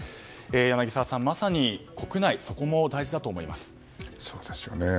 柳澤さん、まさに国内そこも大事だと思います。